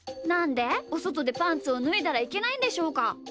なんでおそとでパンツをぬいだらいけないんでしょうか？